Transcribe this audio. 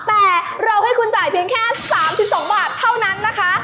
แต่เราให้คุณจ่ายเพียงแค่๓๒บาทเท่านั้นนะคะ